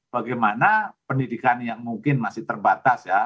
bagaimana pendidikan yang mungkin masih terbatas ya